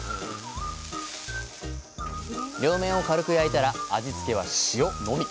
両面を軽く焼いたら味付けは塩のみ！